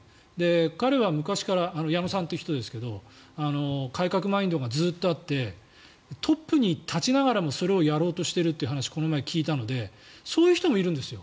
彼は昔から矢野さんという人ですが改革マインドがずっとあってトップに立ちながらもそれをやろうとしている話をこの前聞いたのでそういう人もいるんですよ。